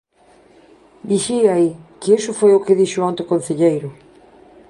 Vixíe aí, que iso foi o que dixo onte o concelleiro.